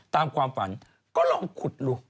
ตามความฝันก็ลองขุดดู